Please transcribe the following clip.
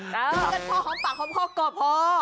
ดิระเบิด